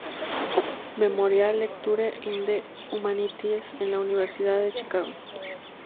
Memorial Lecture in the Humanities en la Universidad de Chicago.